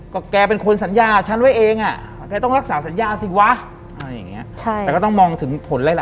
ก็แกเป็นคนสัญญาฉันไว้เอง